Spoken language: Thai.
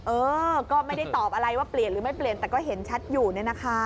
เออก็ไม่ได้ตอบอะไรว่าเปลี่ยนหรือไม่เปลี่ยนแต่ก็เห็นชัดอยู่เนี่ยนะคะ